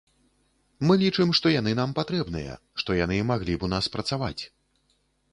Мы лічым, што яны нам патрэбныя, што яны маглі б у нас працаваць.